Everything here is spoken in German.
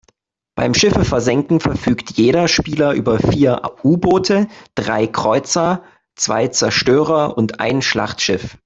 Beim Schiffe versenken verfügt jeder Spieler über vier U-Boote, drei Kreuzer, zwei Zerstörer und ein Schlachtschiff.